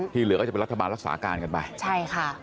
ที่เหลือก็จะเป็นรัฐบาลรักษาการกันไป